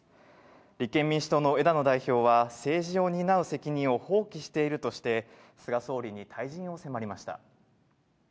立憲民主党の枝野代表は、政治を担う責任を放棄しているとして、菅総理に退陣を迫りました。